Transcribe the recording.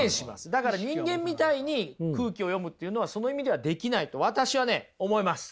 だから人間みたいに空気を読むっていうのはその意味ではできないと私はね思います！